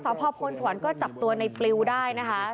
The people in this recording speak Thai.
ตำรวจสภพพลสวรรค์ก็จับตัวในปลิวได้นะคะ